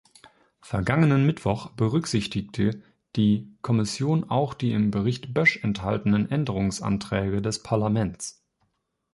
Vergangenen Mittwoch berücksichtigte die Kommission auch die im Bericht Bösch enthaltenen Änderungsanträge des Parlaments.